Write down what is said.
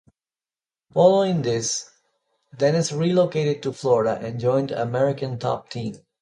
Following this, Denis relocated to Florida and joined American Top Team.